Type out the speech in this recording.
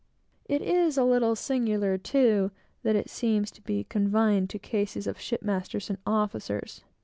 It is a little singular, too, that it seems to be confined to cases of shipmasters and officers.